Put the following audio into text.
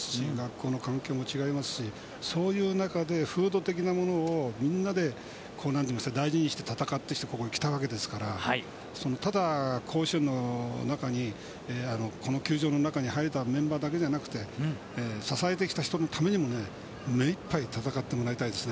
そういう中で風土的なものをみんなで大事にして戦ってここに来たわけですからただ甲子園の中にこの球場の中に入れたメンバーだけじゃなく支えてきた人のためにも目いっぱい戦ってもらいたいです。